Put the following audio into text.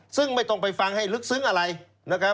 ซึ่งไม่ต้องไปฟังให้ลึกซึ้งอะไรนะครับ